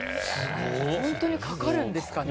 本当にかかるんですかね？